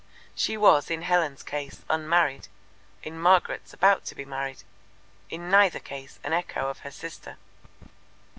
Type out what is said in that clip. She was in Helen's case unmarried, in Margaret's about to be married, in neither case an echo of her sister.